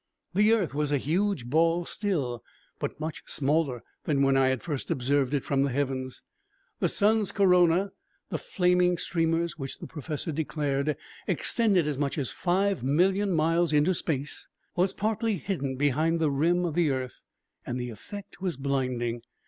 The earth was a huge ball still, but much smaller than when I had first observed it from the heavens. The sun's corona the flaming streamers which the professor declared extended as much as five million miles into space was partly hidden behind the rim of the earth and the effect was blinding.